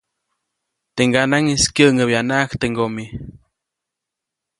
Teʼ ŋganaʼŋis kyäŋʼäbyanaʼajk teʼ ŋgomi.